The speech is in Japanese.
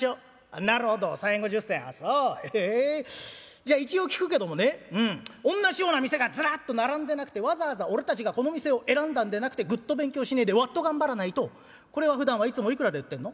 じゃあ一応聞くけどもねうんおんなしような店がずらっと並んでなくてわざわざ俺たちがこの店を選んだんでなくてグッと勉強しねえでワッと頑張らないとこれはふだんはいつもいくらで売ってんの？」。